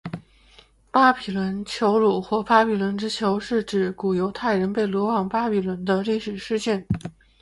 巴比伦囚虏或巴比伦之囚是指古犹太人被掳往巴比伦的历史事件。